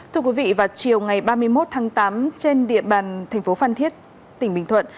thưa quý vị vào chiều ngày ba mươi một tháng tám trên địa bàn thành phố phan thiết tỉnh bình thuận